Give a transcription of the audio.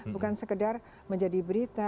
bukan sekedar menjadi berita